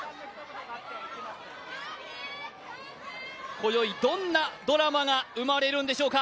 今宵、どんなドラマが生まれるんでしょうか。